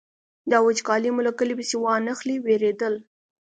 دا وچکالي مو له کلي پسې وانخلي وېرېدل.